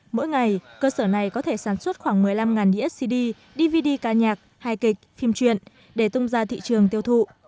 mỗi ngày cơ sở này có thể sản xuất khoảng một mươi năm đĩa cd dvd ca nhạc hai kịch phim truyện để tung ra thị trường tiêu thụ